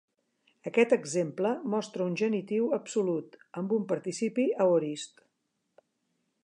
Aquest exemple mostra un genitiu absolut amb un participi aorist.